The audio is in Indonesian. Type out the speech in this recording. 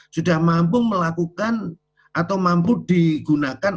sudah mampu melakukan atau mampu digunakan